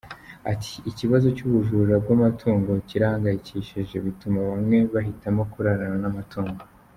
Ati “Ikibazo cy’ubujura bw’amatungo kirahangayikishije, bituma bamwe bahitamo kurarana n’amatungo.